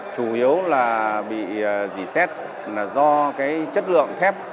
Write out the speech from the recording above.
chủ yếu là bị dì xét do chất lượng thép